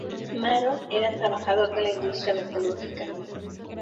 Maron era trabajador de la industria metalúrgica.